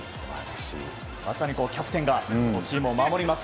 まさにキャプテンがチームを守ります。